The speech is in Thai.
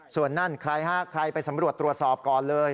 ส่วนนั่นใครฮะใครไปสำรวจตรวจสอบก่อนเลย